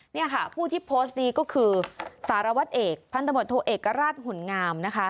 นี่ค่ะผู้ที่โพสต์นี้ก็คือสารวัตรเอกพันธบทโทเอกราชหุ่นงามนะคะ